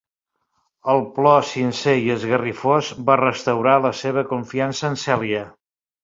El plor sincer i esgarrifós va restaurar la seva confiança en Celia.